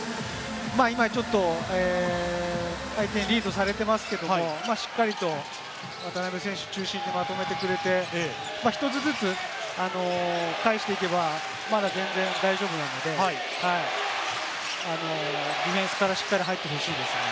今、相手にリードされていますけれど、しっかりと渡邊選手中心にまとめてくれて、１つずつ返していけばまだ全然大丈夫なので、ディフェンスからしっかり入ってほしいですね。